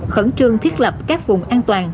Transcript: khẩn trương thiết lập các vùng an toàn